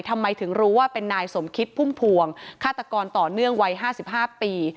ทำไมถึงรู้ว่าเป็นนายสมคิดพุ่มพวงฆาตกรต่อเนื่องวัย๕๕ปี